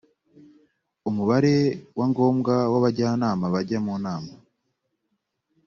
umubare wa ngombwa w’abajyanama bajya mu nama